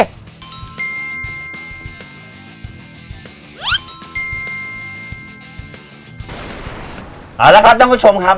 เอาละครับท่านผู้ชมครับ